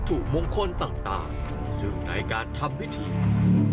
หันล้วยหันล้วยหันล้วยหันล้วยหันล้วยหันล้วย